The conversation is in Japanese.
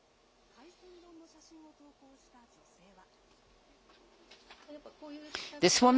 海鮮丼の写真を投稿した女性は。